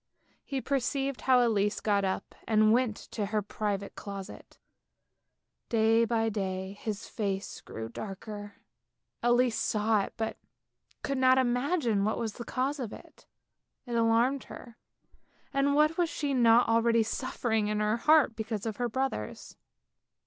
He perceived how Elise got up and went to her private closet. Day by day his face grew darker, Elise saw it but could not imagine what was the cause of it. It alarmed her, and what was she not already suffering in her heart because of her brothers